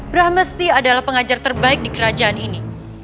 brahmesti adalah pengajar terbaik di kerajaan ini